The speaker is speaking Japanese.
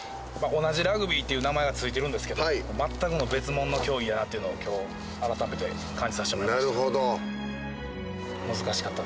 同じ「ラグビー」っていう名前が付いてるんですけど全くの別物の競技だなっていうのを今日改めて感じさせてもらいました。